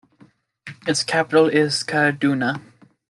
Its capital is Kaduna.